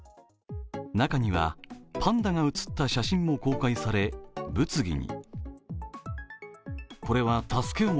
中には、パンダが写った写真を公開され、物議に。